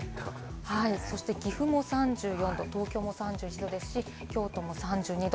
そして岐阜も３４度、東京も３１度ですし、京都も３２度。